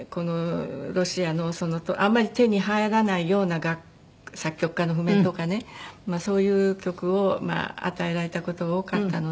ロシアのあんまり手に入らないような作曲家の譜面とかねそういう曲を与えられた事が多かったのでなおさら。